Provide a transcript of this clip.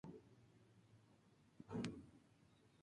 Este edificio cuenta con planta baja más dos alturas y cubierta plana.